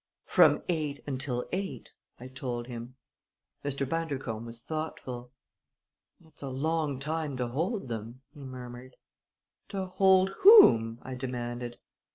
"From eight until eight," I told him. Mr. Bundercombe was thoughtful. "It's a long time to hold them!" he murmured. "To hold whom?" I demanded. Mr.